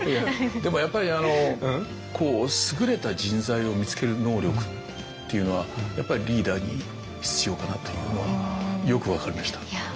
でもやっぱり優れた人材を見つける能力っていうのはやっぱりリーダーに必要かなというのはよく分かりました。